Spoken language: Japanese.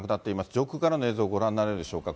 上空からの映像、ご覧になられるでしょうか。